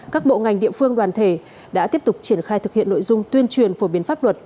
các bộ ngành địa phương đoàn thể đã tiếp tục triển khai thực hiện nội dung tuyên truyền phổ biến pháp luật